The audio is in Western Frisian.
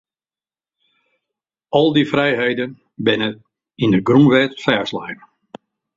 Sy wie superentûsjast.